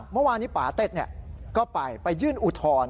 เมื่อวานนี้ป่าเต็ดก็ไปไปยื่นอุทธรณ์